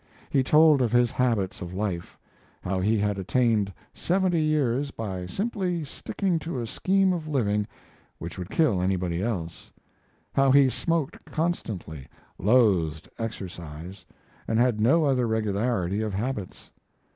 He told of his habits of life, how he had attained seventy years by simply sticking to a scheme of living which would kill anybody else; how he smoked constantly, loathed exercise, and had no other regularity of habits.